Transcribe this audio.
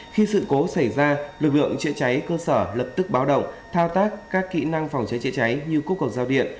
khi sự cố xảy ra lực lượng chữa cháy cơ sở lập tức báo động thao tác các kỹ năng phòng cháy chữa cháy như cúp cầu giao điện